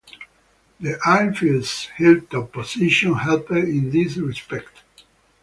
The airfield's hilltop position helped in this respect.